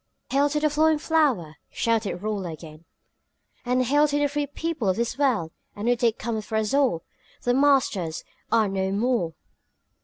"Hail to the flowing flower!" shouted Rolla again. "And hail to the free people of this world! A new day cometh for us all! The masters are no more!"